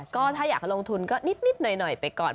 ก็ถ้าอยากลงทุนก็นิดหน่อยไปก่อน